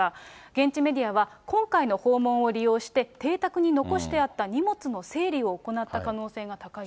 現地メディアは、今回の訪問を利用して、邸宅に残してあった荷物の整理を行った可能性が高いと。